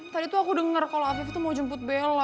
tadi tuh aku denger kalo afif tuh mau jemput bella